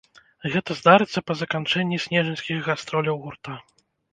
Гэта здарыцца па заканчэнні снежаньскіх гастроляў гурта.